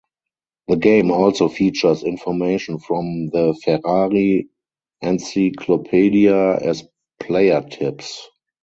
The game also features information from the Ferrari Encyclopedia as player tips.